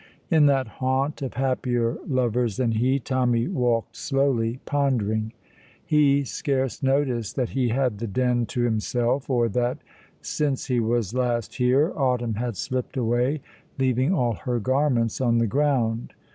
In that haunt of happier lovers than he, Tommy walked slowly, pondering. He scarce noticed that he had the Den to himself, or that, since he was last here, autumn had slipped away, leaving all her garments on the ground.